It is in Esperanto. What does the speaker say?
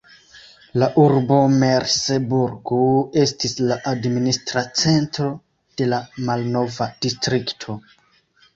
La urbo Merseburg estis la administra centro de la malnova distrikto.